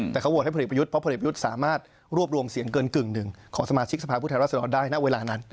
แต่เขาโหวตให้พลเอกประยุทธ์เพราะผลเอกประยุทธ์สามารถรวบรวมเสียงเกินกึ่งหนึ่งของสมาชิกสภาพผู้แทนรัศดรได้ณเวลานั้น